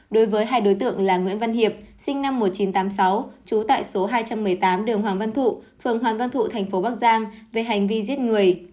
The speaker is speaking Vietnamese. đối với hai đối tượng là nguyễn văn hiệp sinh năm một nghìn chín trăm tám mươi sáu trú tại số hai trăm một mươi tám đường hoàng văn thụ phường hoàng văn thụ thành phố bắc giang về hành vi giết người